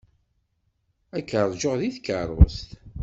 Ad k-ṛjuɣ deg tkeṛṛust.